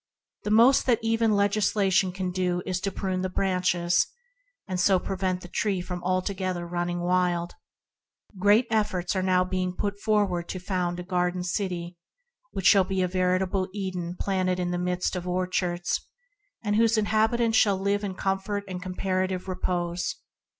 The most that even legislation can do is to prune the branches, and so prevent the tree from altogether running wild. Great efforts have been put forward to found a city that shall be a veritable Eden planted in the midst of orchards, whose inhabi tants shall live in comfort and comparative repose.